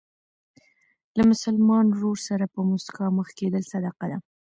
له مسلمان ورور سره په مسکا مخ کېدل صدقه ده.